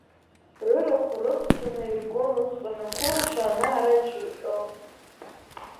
Рырахә рыхцаны иргон усҟан, ақәылацәа ана-ара ицәырҟьон.